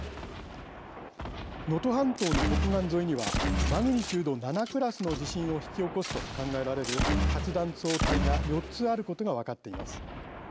能登半島の北岸沿いにはマグニチュード７クラスの地震を引き起こすと考えらえる活断層帯が４つあることが分かっています。